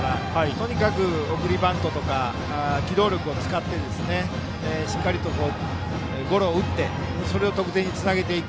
とにかく送りバントとか機動力を使ってしっかりとゴロを打ってそれを得点につなげていく。